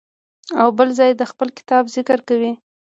او بل ځای د خپل کتاب ذکر کوي.